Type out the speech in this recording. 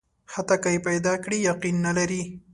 حتی که یې پیدا کړي، یقین نه لري.